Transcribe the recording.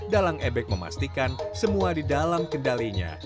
dalang ebek memastikan semua di dalam kendalinya